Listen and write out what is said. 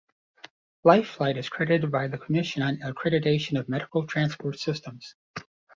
Life Flight is accredited by the Commission on Accreditation of Medical Transport Systems.